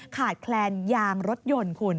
ขาดแคลนยางรถยนต์คุณ